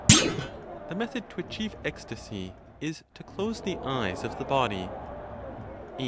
THE METHOD TO ACHIEVE ECSTASY IS TO CLOSE THE EYES OF THE BODY. 8.